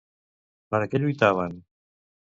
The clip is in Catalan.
Per a què lluitaven?